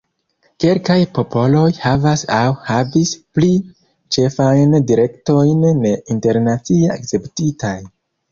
Kelkaj popoloj havas aŭ havis pli ĉefajn direktojn ne internacia akceptitaj.